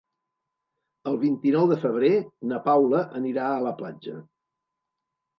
El vint-i-nou de febrer na Paula anirà a la platja.